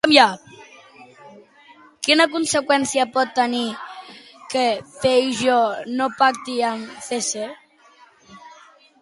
Quina conseqüència pot tenir que Feijóo no pacti amb Cs?